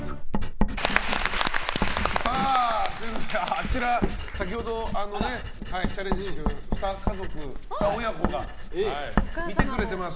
あちら先ほどチャレンジしてくれた２家族、２親子が見てくれてます。